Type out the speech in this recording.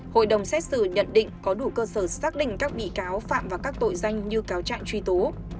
hội đồng xét xử nhận định có đủ cơ sở xác định các bị cáo phạm vào các tội danh như cáo trạng truy tố